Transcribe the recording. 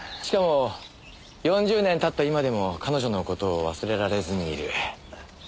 しかも４０年経った今でも彼女の事を忘れられずにいる。